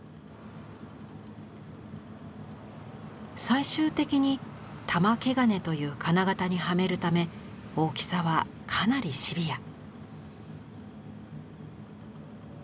最終的に玉笥金という金型にはめるため大きさはかなりシビア。